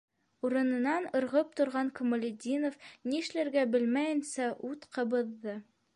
- Урынынан ырғып торған Камалетдинов, нишләргә белмәйенсә, ут ҡабыҙҙы.